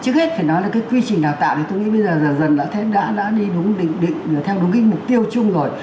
trước hết phải nói là cái quy trình đào tạo thì tôi nghĩ bây giờ dần dần đã đi đúng định theo đúng cái mục tiêu chung rồi